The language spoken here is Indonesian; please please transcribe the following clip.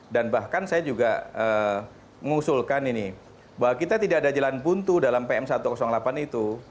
dan bahkan saya juga mengusulkan ini bahwa kita tidak ada jalan buntu dalam pm satu ratus delapan itu